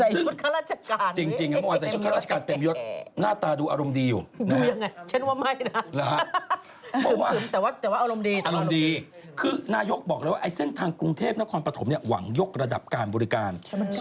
ใส่ชุดข้าราชการเต็มยดหน้าตาดูอารมณ์ดีอยู่ดูยังไงฉันว่าไม่นะอารมณ์ดีคือนายกบอกแล้วว่าเส้นทางกรุงเทพมหานครปฐมหวังยกระดับการบริการ